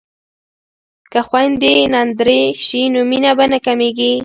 که خویندې نندرې شي نو مینه به نه کمیږي.